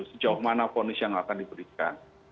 sejauh mana fonis yang akan diberikan